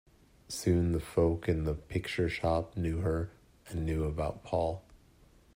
Soon the folk in the picture-shop knew her, and knew about Paul.